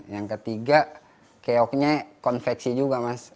yang ketiga keoknya konveksi juga mas